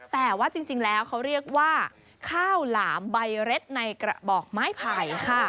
แต่ว่าจริงแล้วเขาเรียกว่าข้าวหลามใบเร็ดในกระบอกไม้ไผ่ค่ะ